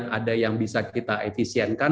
kita lihat ada yang bisa kita efisienkan